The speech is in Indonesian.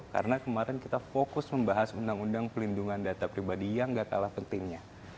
karena kemarin kita fokus membahas undang undang pelindungan data pribadi yang gak kalah pentingnya